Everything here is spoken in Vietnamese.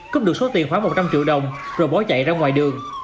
cướp được số tiền khoảng một trăm linh triệu đồng rồi bỏ chạy ra ngoài đường